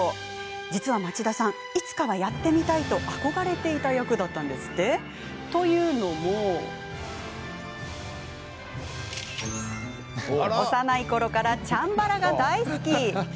実は、町田さんいつかは、やってみたいと憧れていた役だったんですって。というのも幼いころからチャンバラが大好き。